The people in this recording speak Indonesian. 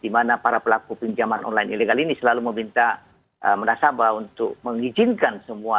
dimana para pelaku pinjaman online ilegal ini selalu meminta menasabah untuk mengizinkan semua data